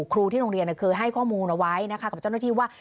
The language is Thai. ครูที่โรงเรียนเคยให้ข้อมูลเอาไว้นะคะกับเจ้าหน้าที่ว่า